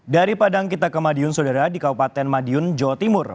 dari padang kita ke madiun saudara di kabupaten madiun jawa timur